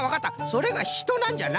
それがひとなんじゃな。